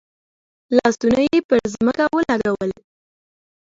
لاسونه یې پر ځمکه ولګول.